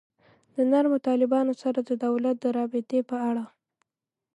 د نرمو طالبانو سره د دولت د رابطې په اړه.